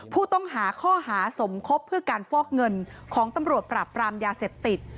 ผู้ต้องหาข้อหาสมคบเพื่อการฟอกเงินของตำรวจปราบปรามยาเสพติด